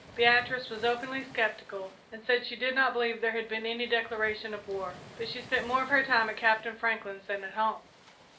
Beatrice was openly skeptical, and said she did not believe there had been any declaration of war, but she spent more of her time at Captain Franklin's than at home.